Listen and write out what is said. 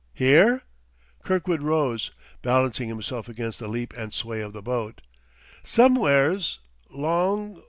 "Here?" Kirkwood rose, balancing himself against the leap and sway of the boat. "Sumwhere's ... 'long